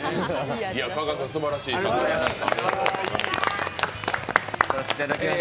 加賀君、すばらしい活躍でした。